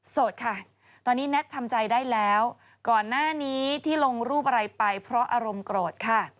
โสดค่ะตอนนี้แท็กทำใจได้แล้วก่อนหน้านี้ที่ลงรูปอะไรไปเพราะอารมณ์โกรธค่ะ